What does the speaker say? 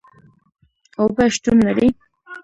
اوبه شتون لري